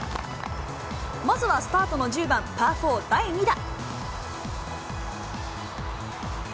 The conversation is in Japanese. まずはスタートの１０番、パー４、第２打。